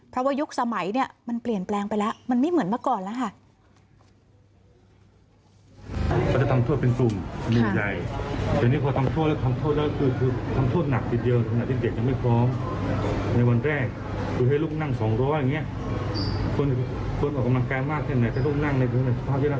เพราะว่ายุคสมัยเนี่ยมันเปลี่ยนแปลงไปแล้วมันไม่เหมือนเมื่อก่อนแล้วค่ะ